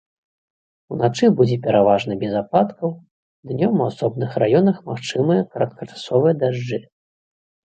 Уначы будзе пераважна без ападкаў, днём у асобных раёнах магчымыя кароткачасовыя дажджы.